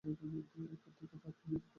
এরপর আর তাকে ইংরেজ দলে নেয়া হয়নি।